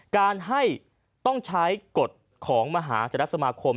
การให้ต้องใช้กฎของมหาธรสมาคม